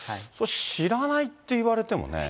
知らないって言われてもね。